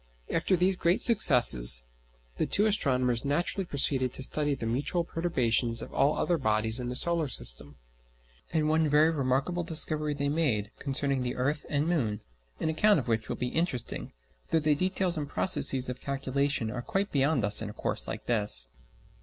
After these great successes the two astronomers naturally proceeded to study the mutual perturbations of all other bodies in the solar system. And one very remarkable discovery they made concerning the earth and moon, an account of which will be interesting, though the details and processes of calculation are quite beyond us in a course like this.